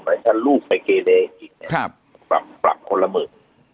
หรือถ้าลูกไปเกรละอีกเนี้ยครับปรับคนละมือ